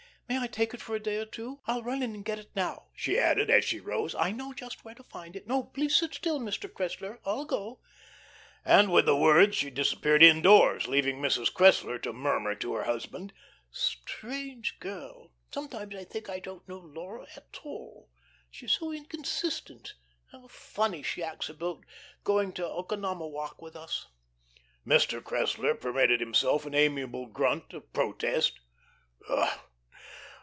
May I take it for a day or two? I'll run in and get it now," she added as she rose. "I know just where to find it. No, please sit still, Mr. Cressler. I'll go." And with the words she disappeared in doors, leaving Mrs. Cressler to murmur to her husband: "Strange girl. Sometimes I think I don't know Laura at all. She's so inconsistent. How funny she acts about going to Oconomowoc with us!" Mr. Cressler permitted himself an amiable grunt of protest.